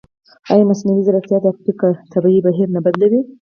ایا مصنوعي ځیرکتیا د فکر طبیعي بهیر نه بدلوي؟